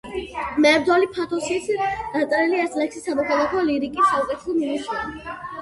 მებრძოლი პათოსით დაწერილი ეს ლექსი სამოქალაქო ლირიკის საუკეთესო ნიმუშია.